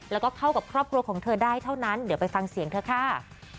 แล้วก็เข้ากับครอบครัวของเธอได้เท่านั้นเดี๋ยวไปฟังเสียงเธอค่ะ